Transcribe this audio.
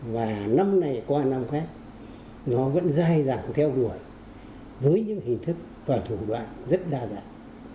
và năm này qua năm khác nó vẫn dài dẳng theo đuổi với những hình thức và thủ đoạn rất đa dạng